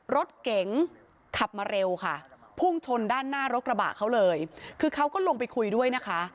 รถเก๋งขับมาเร็วค่ะพุ่งชนด้านหน้ารถกระบะเขาเลยคือเขาก็ลงไปคุยด้วยนะคะ